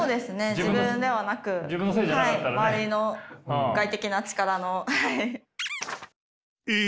自分ではなく周りの外的な力の。え！？